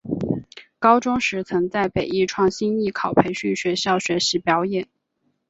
高中时曾在北艺创星艺考培训学校学习表演。